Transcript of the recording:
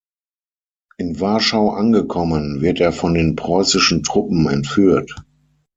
In Warschau angekommen wird er von den preußischen Truppen entführt.